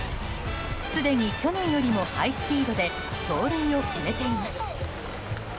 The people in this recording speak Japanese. すでに去年よりもハイスピードで盗塁を決めています。